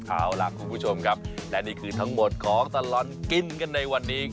เอาล่ะคุณผู้ชมครับและนี่คือทั้งหมดของตลอดกินกันในวันนี้